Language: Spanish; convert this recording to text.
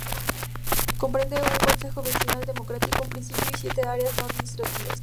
Comprende un consejo vecinal democrático, un municipio y siete áreas no administradas.